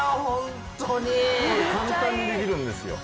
簡単にできるんですよ。